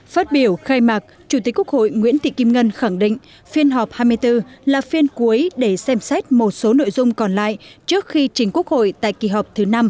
phát biểu khai mạc chủ tịch quốc hội nguyễn thị kim ngân khẳng định phiên họp hai mươi bốn là phiên cuối để xem xét một số nội dung còn lại trước khi chính quốc hội tại kỳ họp thứ năm